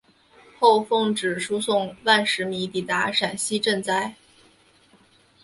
后奉旨输送万石米抵达陕西赈灾。